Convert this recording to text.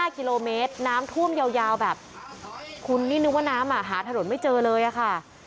๕กิโลเมตรน้ำท่วมยาวแบบคุณนี่นึกว่าน้ำหาถนนไม่เจอเลยอะค่ะ